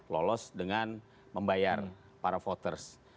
lolos dengan membayar para voters